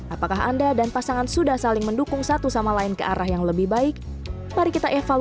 apakah anda dan pasangan sudah saling mendukung satu sama lain ke arah yang lebih baik mari kita evaluasi